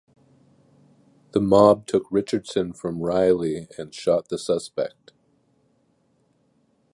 The mob took Richardson from Riley and shot the suspect.